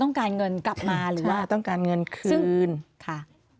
ต้องการเงินกลับมาหรือว่าใช่ต้องการเงินคืนซึ่งค่ะ